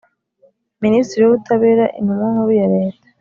Minisitiri w Ubutabera Intumwa nkuru ya Leta